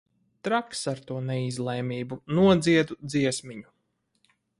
Traks ar to neizlēmību. Nodziedu dziesmiņu.